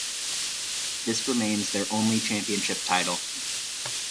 This remains their only championship title.